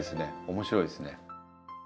面白いですね。